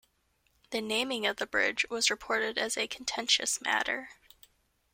The naming of the bridge was reported as a contentious matter.